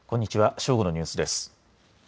正午のニュースです。